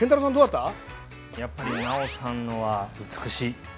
やっぱり尚さんのは美しい。